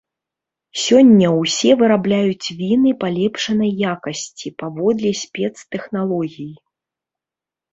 Сёння ўсе вырабляюць віны палепшанай якасці паводле спецтэхналогій.